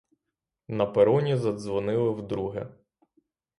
На пероні задзвонили вдруге.